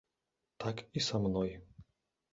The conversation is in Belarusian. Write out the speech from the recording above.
Так і са мной.